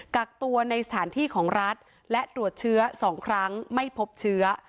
กักตัวในสถานที่ของรัฐและตรวจเชื้อ๒ครั้งไม่พบเชื้อ